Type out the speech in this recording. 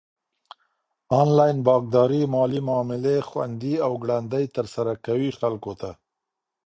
انلاين بانکداري مالي معاملي خوندي او ګړندي ترسره کوي خلکو ته.